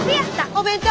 お弁当！